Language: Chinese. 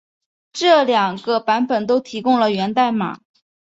这两个版本都提供了源代码。